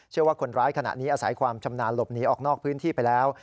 ว่าคนร้ายขณะนี้อาศัยความชำนาญหลบหนีออกนอกพื้นที่ไปแล้ว